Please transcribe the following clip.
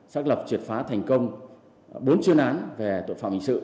xác lập triệt phá thành công bốn chuyên án về tội phạm hình sự